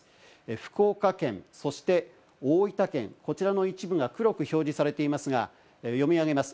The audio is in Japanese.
福岡県、そして大分県、こちらの一部が黒く表示されていますが、読み上げます。